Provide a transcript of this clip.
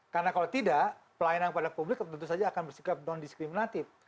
karena kalau tidak pelayanan kepada publik tentu saja akan bersikap non diskriminatif